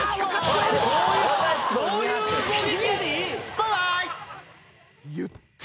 「バイバイ」